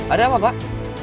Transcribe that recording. ada apa pak